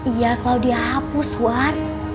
iya kalau diapus wat